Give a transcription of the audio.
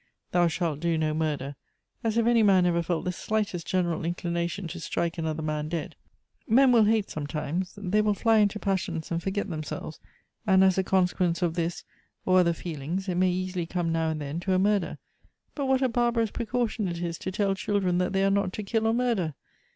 'Thou shalt do no murder;' as if any man ever felt the slightest general inclination to strike another man dead. Men will hate sometimes ; they will fly into passions .and forget themselves ; and as a consequence of this or other 14 314 feelings, it may easily come now and then to a murder; but what a barbarous precaution it is to tell children that they are not to kill or murder